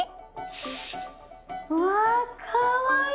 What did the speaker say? しっ！うわかわいい！